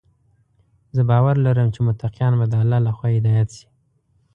زه باور لرم چې متقیان به د الله لخوا هدايت شي.